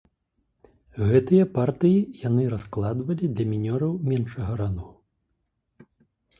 Гэтыя партыі яны раскладвалі для мінёраў меншага рангу.